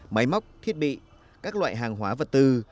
máy móc thiết bị các loại hàng hóa vật tư